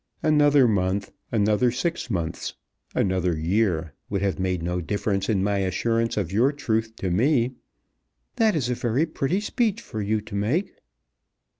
"Another month, another six months, another year, would have made no difference in my assurance of your truth to me." "That is a very pretty speech for you to make."